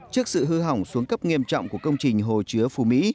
trước sự hư hỏng xuống cấp nghiêm trọng của công trình hồ chứa phú mỹ